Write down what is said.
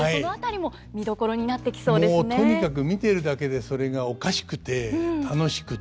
もうとにかく見ているだけでそれがおかしくて楽しくて。